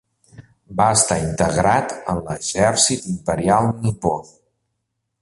Va estar integrat en l'Exèrcit Imperial nipó.